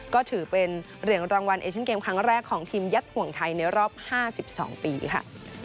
ก็ถือเป็นเหรียญรางวัลเอเชียนเกมครั้งแรกของทีมยัดห่วงไทยในรอบ๕๒ปีค่ะ